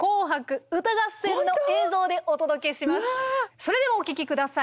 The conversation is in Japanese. それではお聴き下さい。